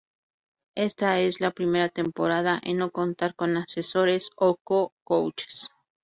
Esta es la primera temporada en no contar con asesores o co"coaches".